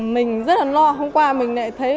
mình rất là lo hôm qua mình lại thấy